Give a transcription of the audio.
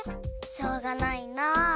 しょうがないな。